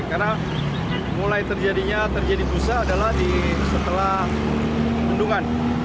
karena mulai terjadinya terjadi busa adalah setelah undungan